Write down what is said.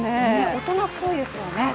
大人っぽいですよね。